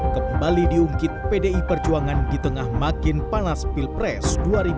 kembali diungkit pdi perjuangan di tengah makin panas pilpres dua ribu dua puluh